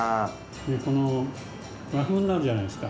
この和風になるじゃないですか